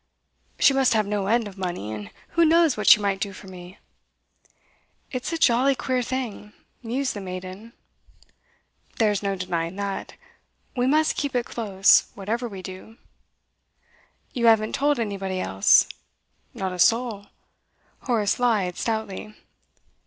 'She must have no end of money, and who knows what she might do for me!' 'It's a jolly queer thing,' mused the maiden. 'There's no denying that. We must keep it close, whatever we do.' 'You haven't told anybody else?' 'Not a soul!' Horace lied stoutly.